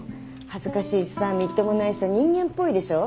恥ずかしいしさみっともないしさ人間っぽいでしょ？